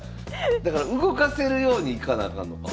だから動かせるように行かなあかんのか。